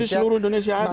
jadi seluruh indonesia ada